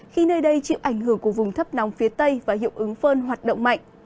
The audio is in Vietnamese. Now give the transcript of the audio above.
khi nơi đây chịu ảnh hưởng của vùng thấp nóng phía tây và hiệu ứng phơn hoạt động mạnh